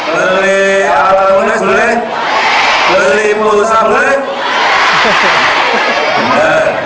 beli alamunis boleh beli pulsa boleh